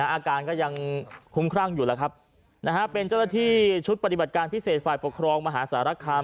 อาการก็ยังคุ้มครั่งอยู่แล้วครับเป็นเจ้าหน้าที่ชุดปฏิบัติการพิเศษฝ่ายปกครองมหาสารคาม